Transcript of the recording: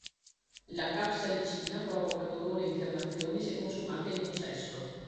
La capsaicina provoca dolore e infiammazioni se consumata in eccesso.